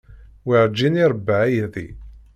Werǧin iṛebba aydi.